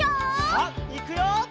さあいくよ！